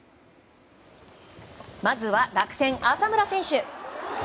まずは楽天、浅村選手。